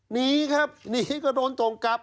หนีครับหนีก็โดนตรงกลับ